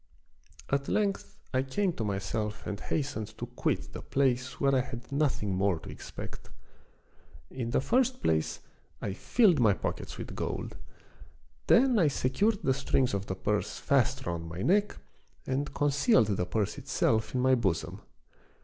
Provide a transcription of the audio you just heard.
At length I came to myself and hastened to quit the place where I had nothing more to ex pect. In the first place I filled my pockets with gold ; then I secured the strings of the purse fast round my neck and concealed the purse itself in my bosom.